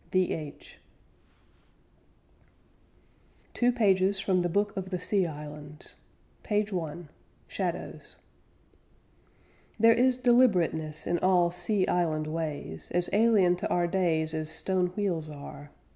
D.H. TWO PAGES FROM THE BOOK OF THE SEA ISLANDS PAGE ONE SHADOWS There is deliberateness in all sea island ways, As alien to our days as stone wheels are.